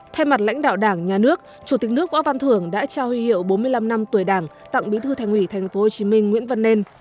thay mặt lãnh đạo đảng nhà nước chủ tịch nước võ văn thưởng đã trao huy hiệu bốn mươi năm năm tuổi đảng tặng bí thư thành ủy tp hcm nguyễn văn nên